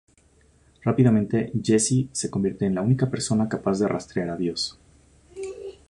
Rápidamente, Jesse se convierte en la única persona capaz de rastrear a Dios.